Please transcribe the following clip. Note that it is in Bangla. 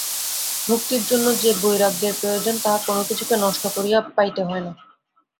ভক্তির জন্য যে বৈরাগ্যের প্রয়োজন, তাহা কোন কিছুকে নষ্ট করিয়া পাইতে হয় না।